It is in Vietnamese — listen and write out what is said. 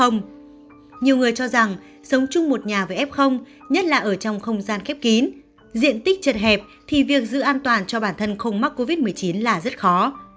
nhiều người cho rằng sống chung một nhà với f nhất là ở trong không gian khép kín diện tích chật hẹp thì việc giữ an toàn cho bản thân không mắc covid một mươi chín là rất khó